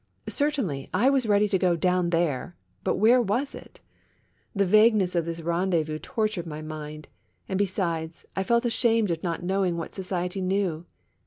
Certainly, I was ready to go "down there;" but where was it ? The vagueness of this rendezvous tortured my mind, and, besides, I felt ashamed of not knowing what society knew.